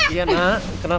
iya nak kenapa